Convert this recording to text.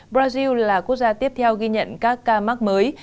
brazil là quốc gia tiếp theo ghi nhận các ca mắc mới